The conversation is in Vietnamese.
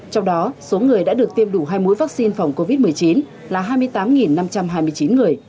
trong đó số người đã được tiêm đủ hai mũi vaccine phòng covid một mươi chín là hai mươi tám năm trăm hai mươi chín người